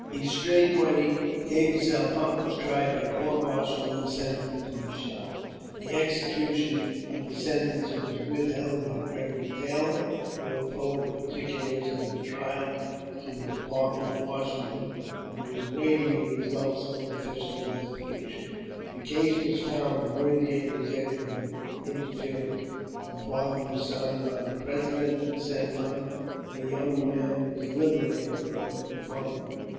He straightway gave himself up, was tried by court martial, and sentenced to be shot. The execution of the sentence was withheld by Colonel Taylor, who had forwarded the par ticulars of the trial to the department at Washington, and was I 848 AUTOBIOGBAPHY OF waiting the result of official investigation. The case wa» found worthy of executive interference ; a pardon was signed by the President and sent on, and the young man was liberated from confinement.